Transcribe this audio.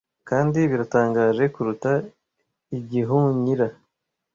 kandi biratangaje kuruta igihunyira